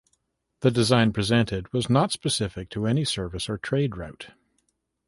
The design presented was not specific to any service or trade route.